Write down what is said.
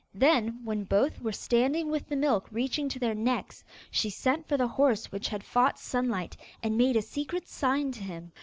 Then, when both were standing with the milk reaching to their necks, she sent for the horse which had fought Sunlight, and made a secret sign to him.